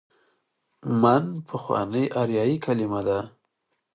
من: پخوانۍ آریايي کليمه ده.